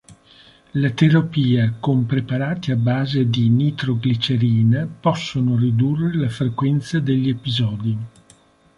La terapia con preparati a base di nitroglicerina possono ridurre la frequenza degli episodi.